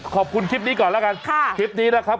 ขอบคุณคลิปนี้ก่อนแล้วกัน